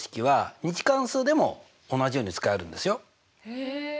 へえ。